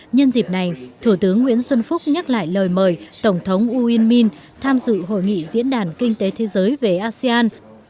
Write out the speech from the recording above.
nhân dịp này thủ tướng nguyễn xuân phúc nhắc lại lời mời tổng thống uyên minh tham dự hội nghị diễn đàn kinh tế thế giới về asean